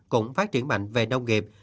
cũng phát triển mạnh về nông nghiệp